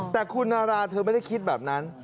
แต่คุณนาราเธอไม่ได้คิดแบบนั้น